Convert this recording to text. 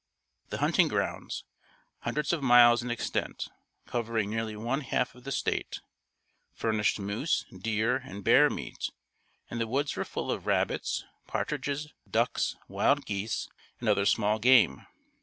The hunting grounds, hundreds of miles in extent, covering nearly one half of the State, furnished moose, deer and bear meat and the woods were full of rabbits, partridges, ducks, wild geese and other small game.